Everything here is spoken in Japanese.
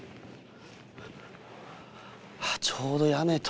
ちょうど屋根と。